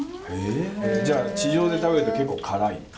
へえじゃあ地上で食べると結構辛い？